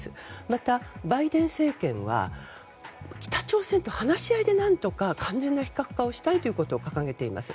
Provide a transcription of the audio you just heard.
また、バイデン政権は北朝鮮と話し合いで何とか完全な非核化をしたいと掲げています。